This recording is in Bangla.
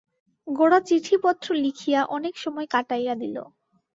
গোরা চিঠিপত্র লিখিয়া অনেকটা সময় কাটাইয়া দিল।